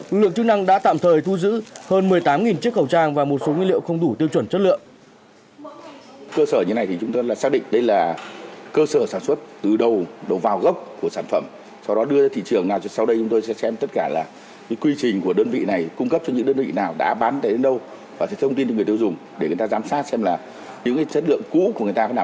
lực lượng chức năng đã tạm thời thu giữ hơn một mươi tám chiếc khẩu trang và một số nguyên liệu không đủ tiêu chuẩn chất lượng